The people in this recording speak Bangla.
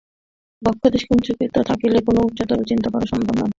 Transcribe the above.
বক্ষোদেশ কুঞ্চিত থাকিলে কোনরূপ উচ্চতর চিন্তা করা সম্ভব নয়, তাহা সহজেই দেখিতে পাইবে।